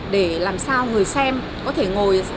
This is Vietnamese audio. để làm sao người xem có thể ngồi